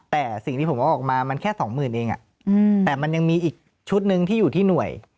แต่สิ่งที่ผมว่าออกมามันแค่สองหมื่นเองแต่มันยังมีอีกชุดหนึ่งที่อยู่ที่หน่วย